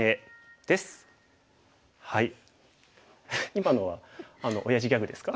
今のはおやじギャグですか？